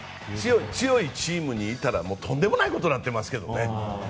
強いチームにいたらとんでもないことになってますけどね。